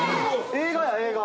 映画や映画。